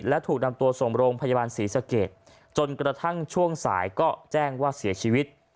และถูกนำตัวส่งโรงพยาบาลศรีสะเกดจนกระทั่งช่วงสายก็แจ้งว่าเสียชีวิต